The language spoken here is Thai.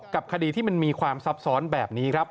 คดีที่มันมีความซับซ้อนแบบนี้ครับ